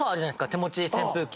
手持ち扇風機。